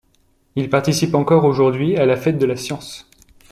Il participe encore aujourd'hui à la fête de la Science.